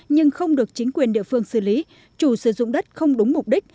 nhưng không được chính quyền địa phương xử lý chủ sử dụng đất không đúng mục đích